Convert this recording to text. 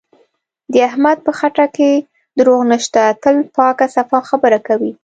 د احمد په خټه کې دروغ نشته، تل پاکه صفا خبره کوي.